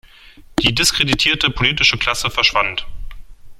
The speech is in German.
Die diskreditierte politische Klasse verschwand.